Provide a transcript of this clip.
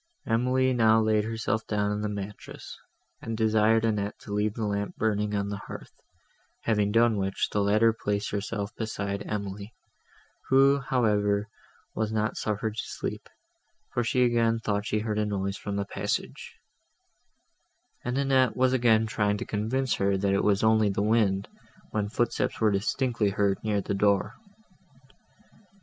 Emily now laid herself down on the mattress, and desired Annette to leave the lamp burning on the hearth; having done which, the latter placed herself beside Emily, who, however, was not suffered to sleep, for she again thought she heard a noise from the passage; and Annette was again trying to convince her, that it was only the wind, when footsteps were distinctly heard near the door.